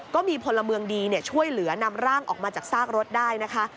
ก็มีพลเมืองดีช่วยเหลือนำร่างออกมาจากซากรถได้นะคะ